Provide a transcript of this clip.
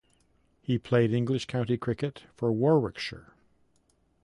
He played English county cricket for Warwickshire.